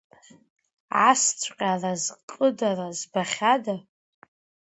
Асҵәҟьа аразҟыдара збахьада!